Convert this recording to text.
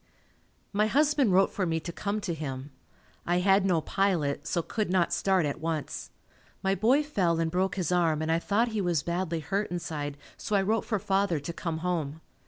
My husband wrote for me to come to him. I had no pilot, so could not start at once. My boy fell and broke his arm and I thought he was badly hurt inside so I wrote for father to come home.